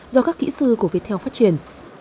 do các kỹ sư của viettel phát triển